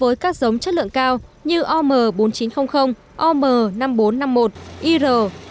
với các giống chất lượng cao như om bốn nghìn chín trăm linh om năm nghìn bốn trăm năm mươi một ir năm mươi nghìn bốn trăm linh bốn